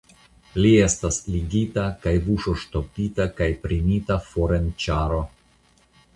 Li estas ligita kaj buŝoŝtopita kaj prenita for en ĉaro.